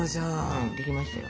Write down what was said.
うんできましたよ。